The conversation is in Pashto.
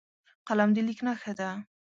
قلم د لیک نښه ده